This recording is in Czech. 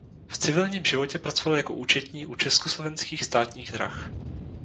V civilním životě pracoval jako účetní u Československých státních drah.